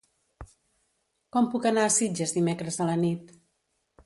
Com puc anar a Sitges dimecres a la nit?